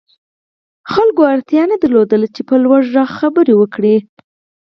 خلکو اړتيا نه درلوده چې په لوړ غږ خبرې وکړي.